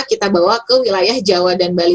kita bawa ke wilayah jawa dan bali